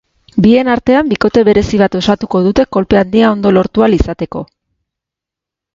Bien artaen bikote berezi bat osatuko dute kolpe handia ondo lortu ahal izateko.